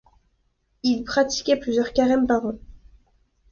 Il pratiquait plusieurs carêmes par an.